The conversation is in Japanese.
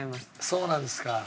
そうなんですか。